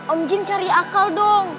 om jin cari akal dong